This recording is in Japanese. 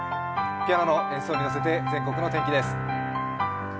ピアノの演奏に乗せて全国の天気です。